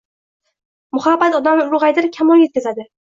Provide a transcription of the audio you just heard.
Muhabbat odamni ulg‘aytirib, kamolga yetkazadi